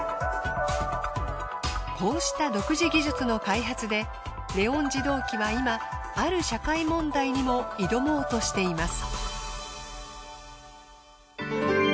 こうした独自技術の開発でレオン自動機は今ある社会問題にも挑もうとしています。